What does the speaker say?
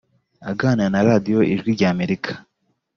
Aganira na Radio ijwi rya Amerika